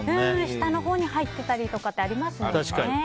下のほうに入っていたりとかありますからね。